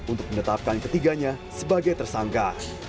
untuk menetapkan ketiganya sebagai tersangka